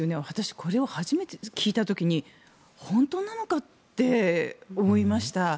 私、これを初めて聞いた時に本当なのかって思いました。